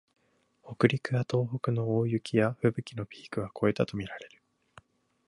北陸や東北の大雪やふぶきのピークは越えたとみられる